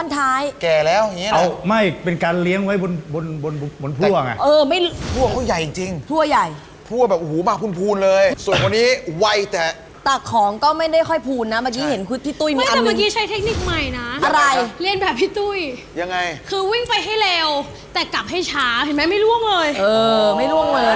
ตกให้อยู่ได้อยู่น่าจะมั่นใจไว้